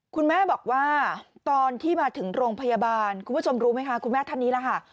คุณแม่บอกว่าตอนที่มาถึงโรงพยาบาลคุณผู้ชมรู้ไหมคะคุณแม่ท่านนี้ล่ะค่ะ